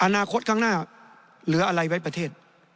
อนาคตข้างหน้าเหลืออะไรไว้ประเทศ